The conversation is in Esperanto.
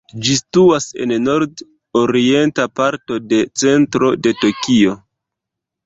Ĝi situas en nord-orienta parto de centro de Tokio.